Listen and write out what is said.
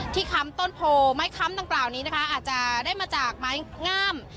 ค้ำต้นโพไม้ค้ำดังกล่าวนี้นะคะอาจจะได้มาจากไม้งาม